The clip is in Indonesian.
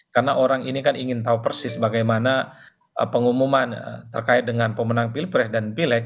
karena orang ini kan ingin tahu persis bagaimana pengumuman terkait dengan pemenang pilpres dan pileg